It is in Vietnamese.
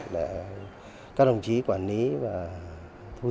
để các đồng chí quản lý và thu giữ